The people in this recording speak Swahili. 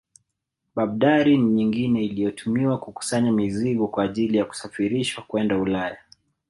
Babdari nyingine iliyotumiwa kukusanya mizigo kwa ajili ya kusafirishwa kwenda Ulaya